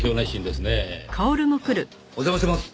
お邪魔します。